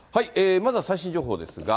まずは最新情報ですが。